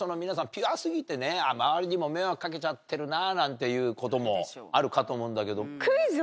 ピュア過ぎて周りにも迷惑かけちゃってるななんていうこともあるかと思うんだけど。